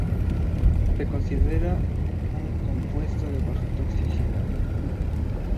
Se considera un compuesto de baja toxicidad.